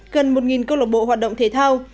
gần một công lộc bộ hoạt động thể thao